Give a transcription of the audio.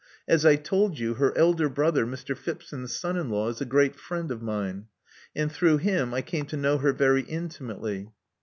As I told you, her elder brother, Mr. Phipson's son in law, is a great friend of mine; and through him I came to know her very intimately.